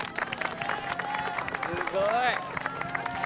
すごい。